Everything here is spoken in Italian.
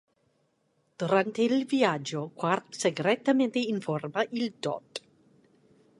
Durante il viaggio, Quark segretamente informa il Dott.